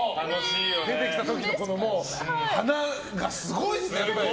出てきた時の華がすごいですね。